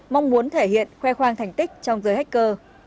mong muốn thể hiện khoe khoang thành tích trong giới hách cơ